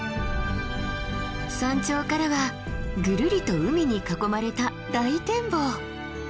山頂からはぐるりと海に囲まれた大展望！